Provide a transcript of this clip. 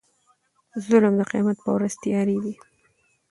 ظلم د قيامت په ورځ تيارې دي